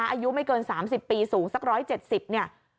อายุไม่เกิน๓๐ปีสูงสัก๑๗๐เนี่ย